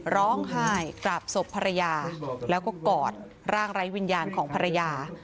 ร้องไห้กราบศพภรรยาแล้วก็กอดร่างไร้วิญญาณของภรรยา